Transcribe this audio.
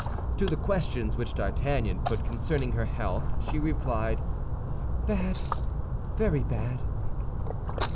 To the questions which D'Artagnan put concerning her health, she replied, "Bad, very bad."